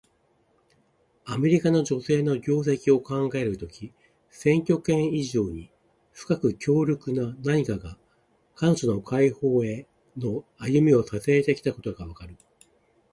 アメリカの女性の業績を考えるとき、選挙権以上に深く強力な何かが、彼女の解放への歩みを支えてきたことがわかる。